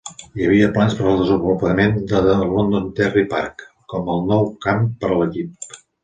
Hi havia plans per al desenvolupament de Londonderry Park com el nou camp per a l'equip.